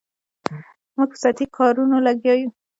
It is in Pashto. موږ په سطحي کارونو لګیا یو.